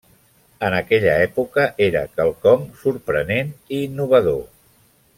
En aquella època era quelcom sorprenent i innovador.